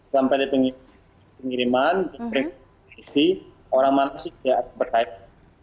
sampai pengiriman orang mana saja berkaitan